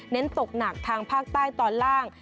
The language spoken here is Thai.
ตกหนักทางภาคใต้ตอนล่าง